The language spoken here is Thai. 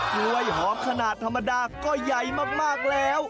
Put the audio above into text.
กล้วยหอมขนาดธรรมดาก็ใหญ่มากแล้ว